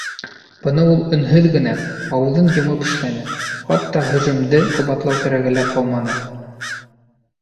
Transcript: Быны ул өнһөҙ генә, ауыҙын йомоп эшләне, хатта һөжүмде ҡабатлау кәрәге лә ҡалманы.